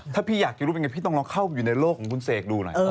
ถ้าพี่อยากจะรู้เป็นไงพี่ต้องลองเข้าอยู่ในโลกของคุณเสกดูหน่อย